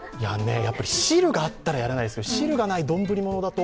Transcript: やっぱり汁があったらやらないですけど汁がない丼物だと